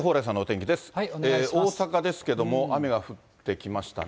大阪ですけども、雨が降ってきましたね。